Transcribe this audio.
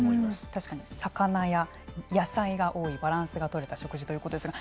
確かに魚や野菜が多いバランスが取れた食事ということですが。